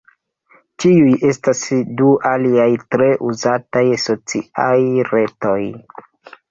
Tiuj estas du aliaj tre uzataj sociaj retoj.